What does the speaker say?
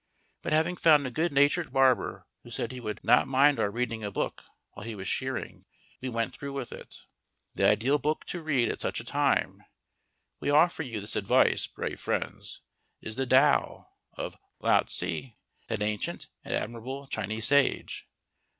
But having found a good natured barber who said he would not mind our reading a book while he was shearing, we went through with it. The ideal book to read at such a time (we offer you this advice, brave friends) is the "Tao" of Lao Tse, that ancient and admirable Chinese sage.